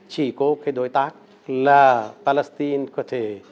chỉ có cái đối tác là palestine có thể